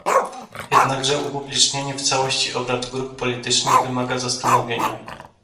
Jednakże upublicznianie w całości obrad grup politycznych wymaga zastanowienia